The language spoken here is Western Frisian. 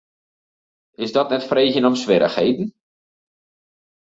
Is dat net freegjen om swierrichheden?